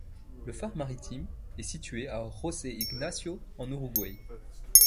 Le phare maritime est situé à José Ignacio en Uruguay.